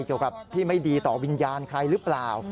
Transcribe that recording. เกี่ยวกับที่ไม่ดีต่อวิญญาณใครหรือเปล่า